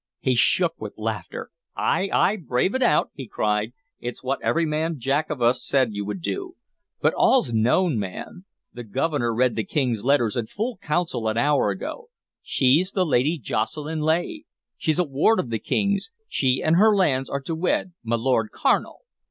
He shook with laughter. "Ay, ay, brave it out!" he cried. "It's what every man Jack of us said you would do! But all's known, man! The Governor read the King's letters in full Council an hour ago. She's the Lady Jocelyn Leigh; she 's a ward of the King's; she and her lands are to wed my Lord Carnal!"